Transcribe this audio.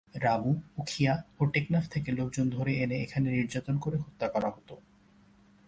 রামু, উখিয়া ও টেকনাফ থেকে লোকজন ধরে এনে এখানে নির্যাতন করে হত্যা করা হত।